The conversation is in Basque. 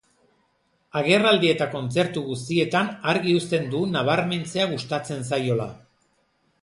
Agerraldi eta kontzertu guztietan argi uzten du nabarmentzea gustatzen zaiola.